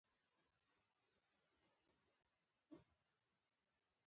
چي یې وکتل تر شا زوی یې کرار ځي